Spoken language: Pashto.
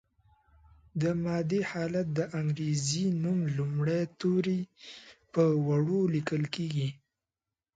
د مادې حالت د انګریزي نوم لومړي توري په وړو لیکل کیږي.